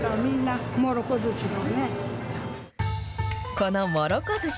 このもろこずし。